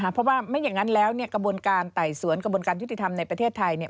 เพราะว่าไม่อย่างนั้นแล้วกระบวนการไต่สวนกระบวนการยุติธรรมในประเทศไทย